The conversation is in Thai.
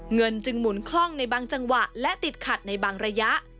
เงินจึงหมุนคล่องในบางจังหวะและติดขัดในบางระยะ